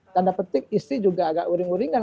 tanda petik istri juga agak uring uringan